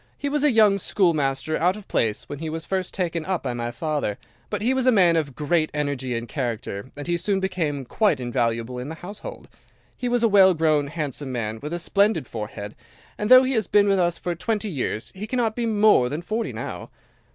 He was a young schoolmaster out of place when he was first taken up by my father, but he was a man of great energy and character, and he soon became quite invaluable in the household. He was a well grown, handsome man, with a splendid forehead, and though he has been with us for twenty years he cannot be more than forty now.